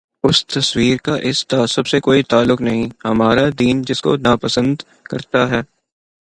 اس تصور کا اس تعصب سے کوئی تعلق نہیں، ہمارا دین جس کو ناپسند کر تا ہے۔